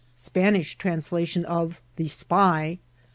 — Spanifh Tranalation of the *' Spy."